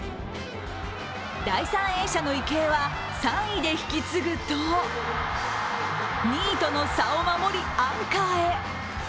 第３泳者の池江は、３位で引き継ぐと２位との差を守り、アンカーへ。